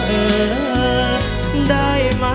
สวัสดีครับ